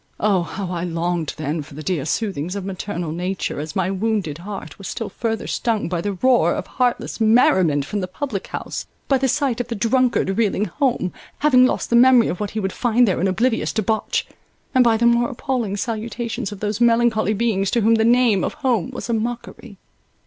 Oh, how I longed then for the dear soothings of maternal Nature, as my wounded heart was still further stung by the roar of heartless merriment from the public house, by the sight of the drunkard reeling home, having lost the memory of what he would find there in oblivious debauch, and by the more appalling salutations of those melancholy beings to whom the name of home was a mockery.